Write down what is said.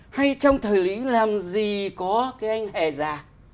hay trong thời lý làm gì có cái anh hề già